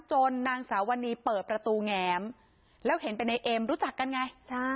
จนนางสาววันนี้เปิดประตูแงมแล้วเห็นไปในเอ็มรู้จักกันไงใช่